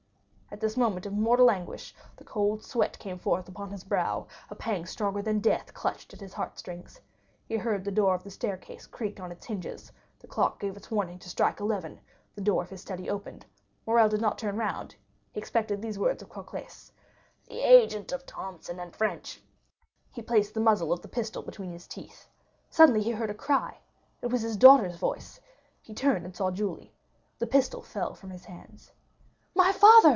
At this moment of mortal anguish the cold sweat came forth upon his brow, a pang stronger than death clutched at his heart strings. He heard the door of the staircase creak on its hinges—the clock gave its warning to strike eleven—the door of his study opened. Morrel did not turn round—he expected these words of Cocles, "The agent of Thomson & French." He placed the muzzle of the pistol between his teeth. Suddenly he heard a cry—it was his daughter's voice. He turned and saw Julie. The pistol fell from his hands. "My father!"